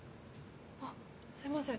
あっすいません。